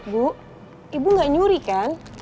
bu ibu gak nyuri kan